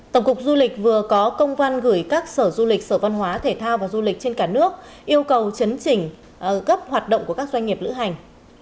tổng cục du lịch vừa có công văn gửi các sở du lịch sở văn hóa thể thao và du lịch trên cả nước yêu cầu chấn chỉnh gấp hoạt động của các doanh nghiệp lữ hành